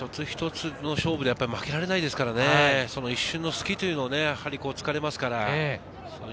一つ一つの勝負で負けられないですからね、その一瞬の隙というのをね、つかれますから。